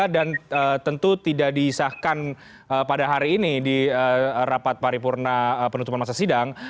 dan tentu tidak diisahkan pada hari ini di rapat paripurna penutupan masa sidang